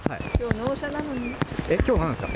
納車なの。